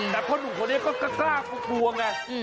แต่เพราะหนุ่มเขาเองก็กล้าก็กลัวไง